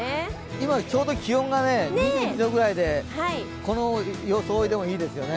今、ちょうど気温が２２度くらいで、この装いでもいいですよね。